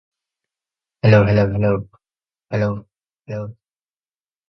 Sleeve insignia was changed to look more like the insignia of the Royal Navy.